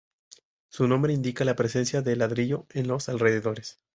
Su nombre indica la presencia de ladrillo en los alrededores.